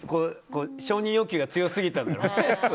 承認欲求が強すぎたんだな。